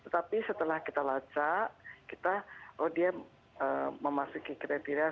tapi setelah kita lajak kita oh dia memasuki kredit diri sebagai pasien pneumonia